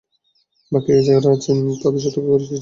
বাকি যাঁরা আছেন, তাঁদের সতর্ক করে চিঠি দেওয়ার সিদ্ধান্ত বহাল আছে।